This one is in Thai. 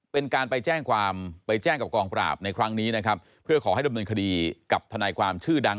เป็นการไปแจ้งความไปแจ้งกับกองปราบในครั้งนี้นะครับเพื่อขอให้ดำเนินคดีกับทนายความชื่อดัง